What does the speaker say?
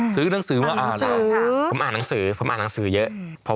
สื้อหนังสือว่าอ่านไม่รู้นะผมอ่านหนังสือเยอะนะครับ